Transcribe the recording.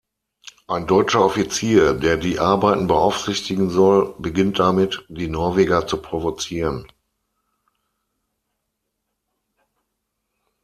Ein deutscher Offizier, der die Arbeiten beaufsichtigen soll, beginnt damit, die Norweger zu provozieren.